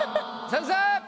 先生！